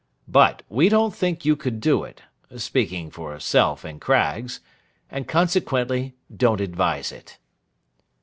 But, we don't think you could do it—speaking for Self and Craggs—and consequently don't advise it.